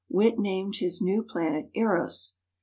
Witt named his new planet Eros.